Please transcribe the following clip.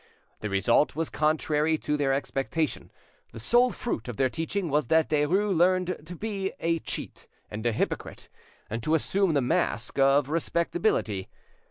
The result was contrary to their expectation: the sole fruit of their teaching was that Derues learnt to be a cheat and a hypocrite, and to assume the mask of respectability.